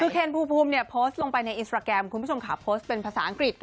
คือเคนภูมิเนี่ยโพสต์ลงไปในอินสตราแกรมคุณผู้ชมค่ะโพสต์เป็นภาษาอังกฤษ